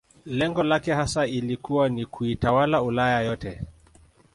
Lengo lake hasa ilikuwa ni kuitawala Ulaya yote